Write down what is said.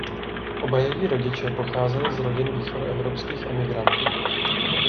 Oba její rodiče pocházeli z rodin východoevropských emigrantů.